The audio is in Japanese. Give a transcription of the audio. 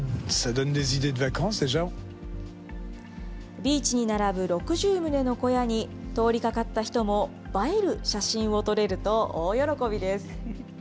ビーチに並ぶ６０棟の小屋に、通りかかった人も、映える写真を撮れると大喜びです。